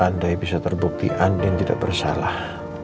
andai bisa terbukti andin tidak bersalah